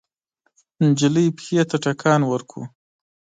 نجلۍ پښې ته ټکان ورکړ.